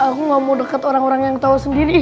aku gak mau deket orang orang yang ketawa sendiri